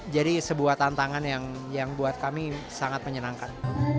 sebuah tantangan yang buat kami sangat menyenangkan